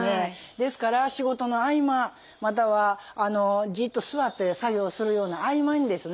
ですから仕事の合間またはじっと座って作業をするような合間にですね